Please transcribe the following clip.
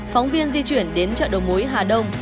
phóng viên di chuyển đến chợ đầu mối hà đông